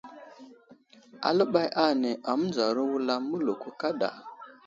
Aləɓay ane amənzaro wulam mələko kaɗa.